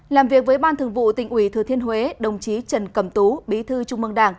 làm việc với ban thường vụ tỉnh ủy thừa thiên huế đồng chí trần cầm tú bí thư trung mương đảng